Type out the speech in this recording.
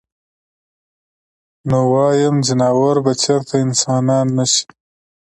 نو وايم ځناور به چرته انسانان نشي -